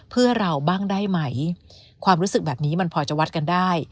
เพื่อเราบ้างได้ไหมความรู้สึกแบบนี้มันพอจะวัดกันได้